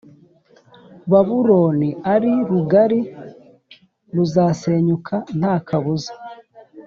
Babuloni ari rugari ruzasenyuka nta kabuza